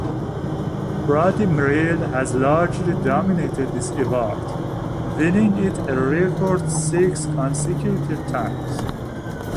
Brodie Merrill has largely dominated this award, winning it a record six consecutive times.